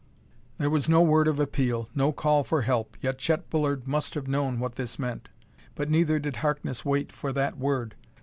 There was no word of appeal, no call for help, yet Chet Bullard must have known what this meant. But neither did Harkness wait for that word.